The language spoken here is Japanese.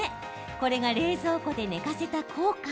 これが、冷蔵庫で寝かせた効果。